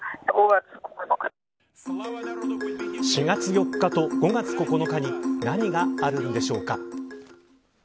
４月４日と５月９日に何があるのでしょうか。